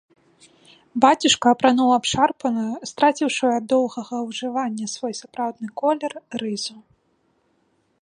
Бацюшка апрануў абшарпаную, страціўшую ад доўгага ўжывання свой сапраўдны колер, рызу.